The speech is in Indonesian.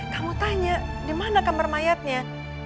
kamu tanya dimana kamar mayatnya